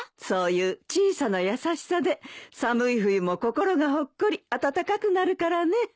そういう小さな優しさで寒い冬も心がほっこり温かくなるからね。